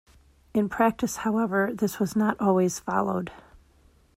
In practice, however, this was not always followed.